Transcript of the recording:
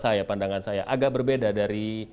saya pandangan saya agak berbeda dari